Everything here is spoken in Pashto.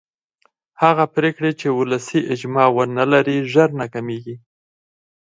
هغه پرېکړې چې ولسي اجماع ونه لري ژر ناکامېږي